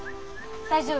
大丈夫。